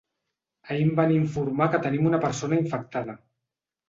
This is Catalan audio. Ahir em van informar que tenim una persona infectada.